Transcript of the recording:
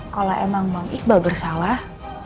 kalau emang bang iqbal bersalah